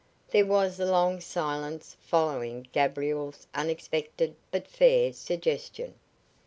There was a long silence following Gabriel's unexpected but fair suggestion.